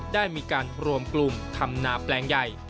ได้มีการรวมกลุ่มทำนาแปลงใหญ่